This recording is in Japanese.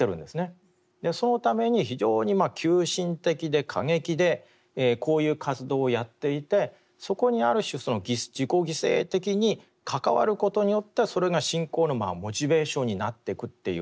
そのために非常に急進的で過激でこういう活動をやっていてそこにある種自己犠牲的に関わることによってそれが信仰のモチベーションになっていくっていう